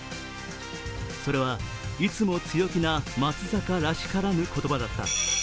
それはいつも強気な松坂らしからぬ言葉だった。